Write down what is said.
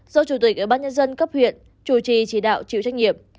do chủ tịch ủy ban nhân dân cấp huyện chủ trì chỉ đạo chịu trách nhiệm